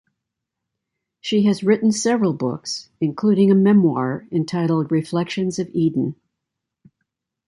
She has written several books, including a memoir entitled "Reflections of Eden".